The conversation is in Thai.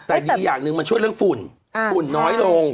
แต่ดีอย่างหนึ่งมันช่วยเรื่องฝุ่นฝุ่นน้อยลง